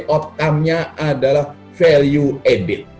outcome nya adalah value added